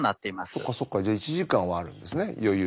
そっかそっかじゃあ１時間はあるんですね余裕が。